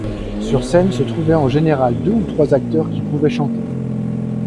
Sur scène se trouvaient en général deux ou trois acteurs qui pouvaient chanter.